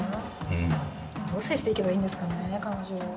どう接していけばいいんですかね彼女。